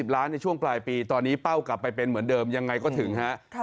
ล้านในช่วงปลายปีตอนนี้เป้ากลับไปเป็นเหมือนเดิมยังไงก็ถึงฮะ